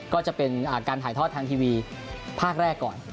ก็จะเป็นการถ่ายทอดทางทีวีภาคแรกก่อน